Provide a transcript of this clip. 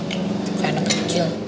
kayak anak kecil